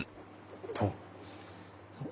そう。